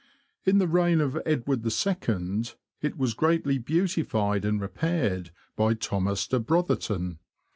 In the reign of Edward II. it was greatly beautified and repaired by Thomas de Brotherton.